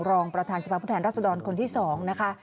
รองประธานสภาพุทหันภัณฑ์รัชดรคือคนที่๒นะคะ